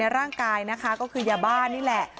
ร่างกายนะคะก็คือยาบ้านี่แหละ